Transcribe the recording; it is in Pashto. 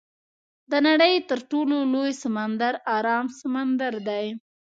د نړۍ تر ټولو لوی سمندر ارام سمندر دی.